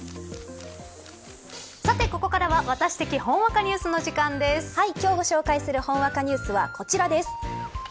さて、ここからはワタシ的ほんわかニュースのはい、今日ご紹介するほんわかニュースはこちらです。